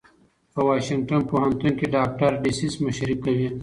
په واشنګټن پوهنتون کې ډاکټر ډسیس مشري کوي.